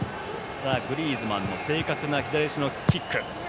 グリーズマンの正確な左足のキック。